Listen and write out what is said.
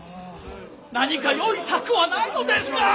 何か良い策はないのですか！？